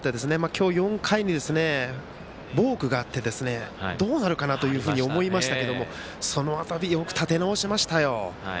今日４回にボークがあってどうなるかなというふうに思いましたけれども、そのあとによく立て直しましたよ。